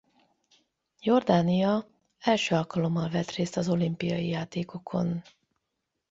Jordánia első alkalommal vett részt az olimpiai játékokon.